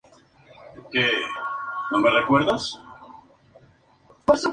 Se distribuye hacia la articulación del codo y parte del músculo tríceps braquial.